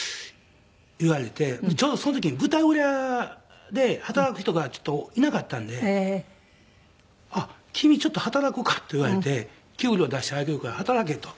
ちょうどその時に舞台裏で働く人がいなかったんで「あっ君ちょっと働こうか」と言われて「給料出してあげるから働け」と。